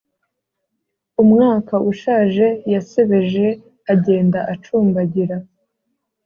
umwaka ushaje yasebeje agenda acumbagira